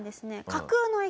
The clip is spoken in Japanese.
架空の駅